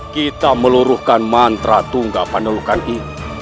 kita meluruhkan mantra tunggapan nelukan i